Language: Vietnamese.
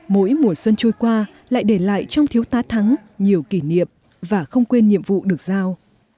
mỗi mùa xuân trôi qua lại để lại trong thiếu tá thắng nhiều kỷ niệm và không quên nhiệm vụ được giao